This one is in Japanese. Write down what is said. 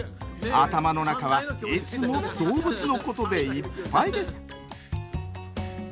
頭の中はいつも動物のことでいっぱいです。